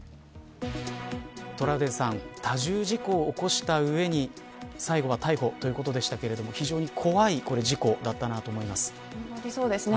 トラウデンさん多重事故を起こした上に最後は逮捕ということでしたが非常に怖い事故だったなそうですね